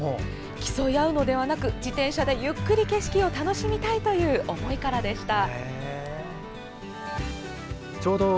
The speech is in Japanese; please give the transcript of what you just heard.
競い合うのではなく自転車で、ゆっくり景色を楽しみたいという思いからでした。